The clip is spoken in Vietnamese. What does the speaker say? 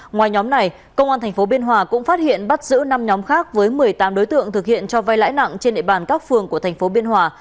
ngoài nhóm này công an tp biên hòa cũng phát hiện bắt giữ năm nhóm khác với một mươi tám đối tượng thực hiện cho vai lãi nặng trên địa bàn các phường của thành phố biên hòa